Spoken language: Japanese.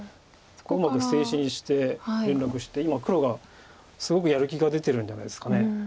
うまく捨て石にして連絡して今黒がすごくやる気が出てるんじゃないですか。